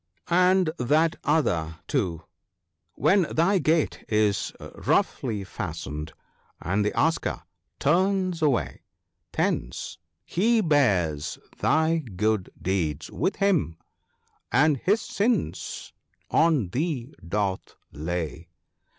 " And that other, too, " When thy gate is roughly fastened, and the asker turns away, Thence he bears thy good deeds with him, and his sins on thee doth lay."